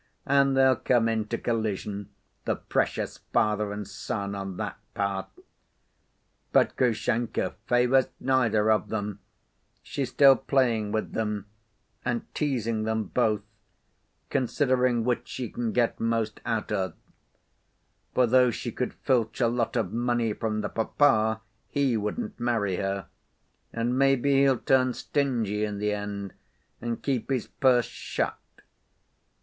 And they'll come into collision, the precious father and son, on that path! But Grushenka favors neither of them, she's still playing with them, and teasing them both, considering which she can get most out of. For though she could filch a lot of money from the papa he wouldn't marry her, and maybe he'll turn stingy in the end, and keep his purse shut.